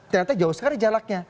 ternyata jauh sekali jalaknya